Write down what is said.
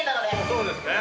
そうですね。